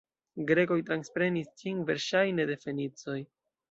Grekoj transprenis ĝin verŝajne de fenicoj.